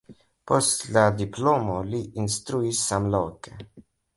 Post la diplomo li instruis samloke.